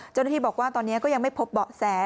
เจ้าหน้าที่บอกว่าตอนนี้ก็ยังไม่พบเบาะแส